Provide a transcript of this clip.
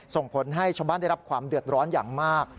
ส่งผลให้ชาวบ้านได้รับความเดือดร้อนอย่างมาก